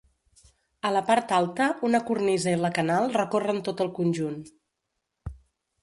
A la part alta una cornisa i la canal recorren tot el conjunt.